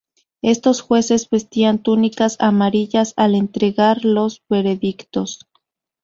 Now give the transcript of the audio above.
Estos jueces vestían túnicas amarillas al entregar los veredictos.